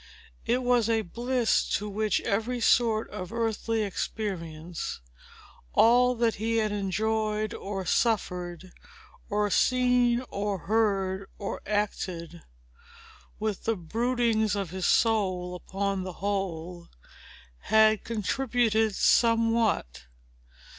It was a bliss to which every sort of earthly experience,—all that he had enjoyed or suffered, or seen, or heard, or acted, with the broodings of his soul upon the whole,—had contributed somewhat.